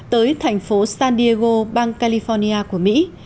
tới thành phố san diego bang california của mỹ